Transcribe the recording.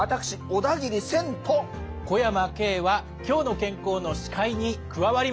小山径は「きょうの健康」の司会に加わります。